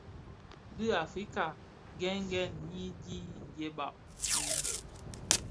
Di Afrika nghëghèn nyi di ndieba wui.